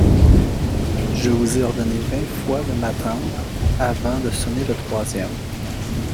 Je vous ai ordonné vingt fois de m’attendre, avant de sonner le troisième.